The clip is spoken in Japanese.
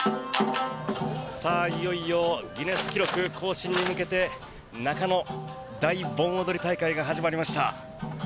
いよいよギネス記録更新に向けて中野大盆踊り大会が始まりました。